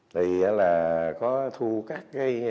thì là có thu các cái